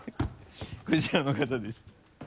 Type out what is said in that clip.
こちらの方です。